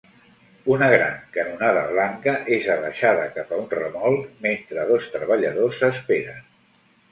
Una gran canonada blanca és abaixada cap a un remolc, mentre dos treballadors esperen.